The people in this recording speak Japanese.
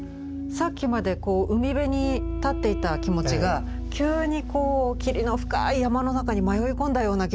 さっきまでは海辺に立っていた気持ちが急に霧の深い山の中に迷い込んだような気分になりますもんね。